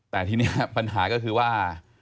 แต่ทีนี้ปัญหาก็คือว่า